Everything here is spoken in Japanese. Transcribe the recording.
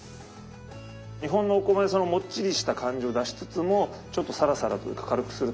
日本のお米のもっちりした感じを出しつつもちょっとサラサラというか軽くするためにこの押し麦を混ぜます。